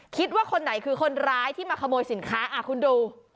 คิดว่าคนไหนคือคนร้ายที่มาขโมยสินค้าอ่ะคุณดู